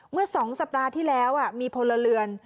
เมื่อ๒สัปดาห์ที่แล้วมีพลเรือน